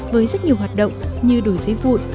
với rất nhiều hoạt động như đổi giấy vụn